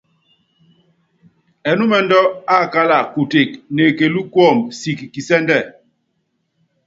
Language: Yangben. Ɛnúmɛndú ákála kuteke, neekelú kuɔmbɔ siki kisɛ́ndɛ.